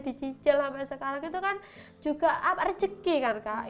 dicincel apa sekali itu kan juga apa rezeki kakak gitu loh hai hai